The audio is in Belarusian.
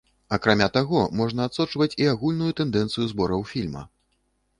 Акрамя таго, можна адсочваць і агульную тэндэнцыю збораў фільма.